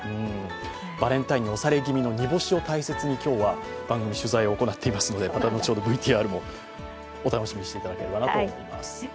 バレンタインに押され気味の煮干しを大切に今日は取材を行っていますのでまた後ほどＶＴＲもお楽しみにしていただければと思います。